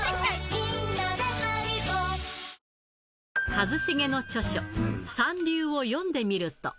一茂の著書、三流を読んでみると。